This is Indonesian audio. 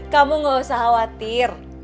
kamu gak usah khawatir